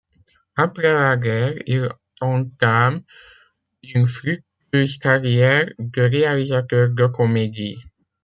Après la guerre, il entame une fructueuse carrière de réalisateur de comédies.